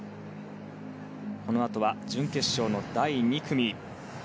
このあとは準決勝の第２組。